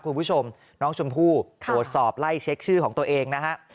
คุณผู้ชมน้องชมพู่ตรวจสอบไล่เช็คชื่อของตัวเองนะฮะ